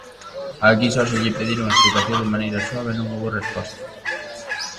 Aquí só se lle pediron explicacións de maneira suave e non houbo resposta.